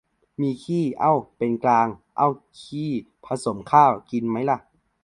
มีขี้ เอ้า เป็นกลาง เอาขี้ผสมข้าว กินมั้ยล่ะ